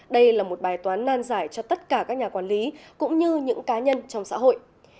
đây là một bài toán nan giải cho tất cả các nhà quản lý cũng như những cá nhân trong xã hội